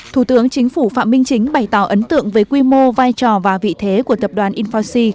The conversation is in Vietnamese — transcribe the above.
thủ tướng chính phủ phạm minh chính bày tỏ ấn tượng với quy mô vai trò và vị thế của tập đoàn infoci